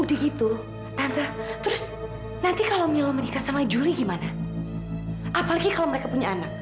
emang kenyataannya udah seperti itu